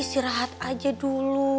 istirahat aja dulu